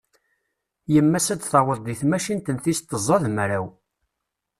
Yemma-s ad d-taweḍ deg tmacint n tis tẓa d mraw.